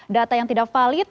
data yang tidak valid